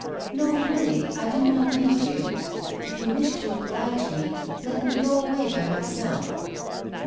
'No, really I do not need you. If you wish to oblige me, let me go away by myself.